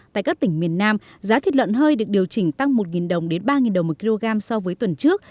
tại các tỉnh miền nam giá thịt lợn hơi được điều chỉnh tăng một đồng đến ba đồng một kg so với tuần trước